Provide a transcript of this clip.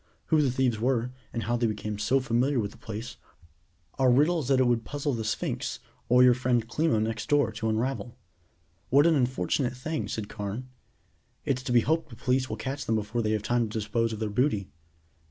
Who the thieves were, and how they became so familiar with the place are riddles that it would puzzle the Sphinx, or your friend Klimo next door, to unravel." "What an unfortunate thing," said Carne. "It's to be hoped the police will catch them before they have time to dispose of their booty."